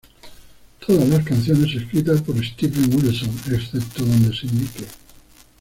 Todas las canciones escritas por Steven Wilson excepto donde se indique.